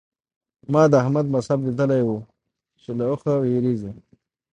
ما د احمد مذهب ليدلی وو چې له اوخه وېرېږي.